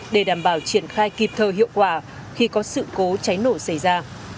để đảm bảo triển khai kịp thời hiệu quả khi có sự cố cháy nổ xảy ra